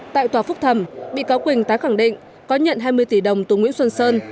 tại tòa phúc thẩm bị cáo quỳnh tái khẳng định có nhận hai mươi tỷ đồng từ nguyễn xuân sơn